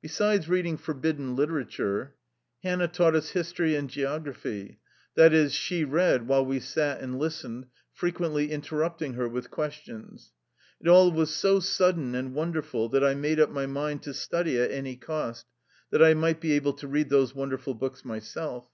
Besides reading forbidden literature, Hannah taught us history and geography; that is, she read while we sat and listened, frequently in terrupting her with questions. It all was so sudden and wonderful that I made up my mind to study at any cost, that I might be able to read those wonderful books myself.